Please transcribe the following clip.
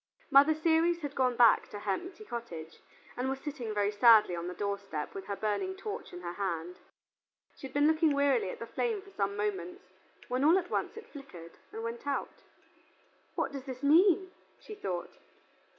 Mother Ceres had gone back to her empty cottage, and was sitting very sadly on the doorstep with her burning torch in her hand. She had been looking wearily at the flame for some moments, when all at once it flickered and went out. "What does this mean?" she thought.